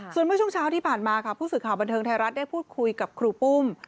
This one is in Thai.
ส่วนเมื่อช่วงเช้าที่ผ่านมาค่ะผู้สื่อข่าวบันเทิงไทยรัฐได้พูดคุยกับครูปุ้ม